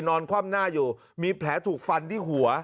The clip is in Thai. คว่ำหน้าอยู่มีแผลถูกฟันที่หัว